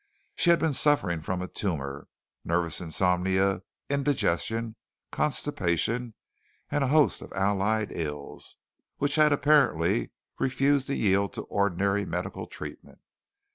She had been suffering from a tumor, nervous insomnia, indigestion, constipation and a host of allied ills, which had apparently refused to yield to ordinary medical treatment.